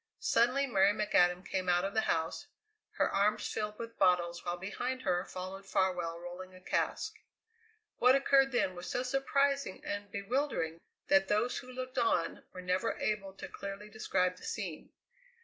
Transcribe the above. Suddenly Mary McAdam came out of the house, her arms filled with bottles, while behind her followed Farwell rolling a cask. What occurred then was so surprising and bewildering that those who looked on were never able to clearly describe the scene.